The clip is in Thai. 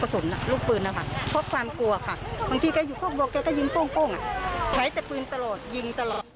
ใช้แต่ปืนตลอดยิงตลอด